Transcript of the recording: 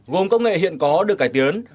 gồm công nghệ hiện có được cải tiến